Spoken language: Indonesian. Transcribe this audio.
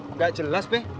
enggak jelas be